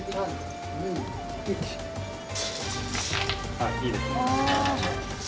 はいいいですね